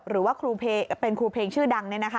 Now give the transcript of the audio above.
หรือว่าเป็นครูเพลงชื่อดัง